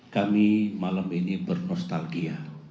kami malam ini bernostalgia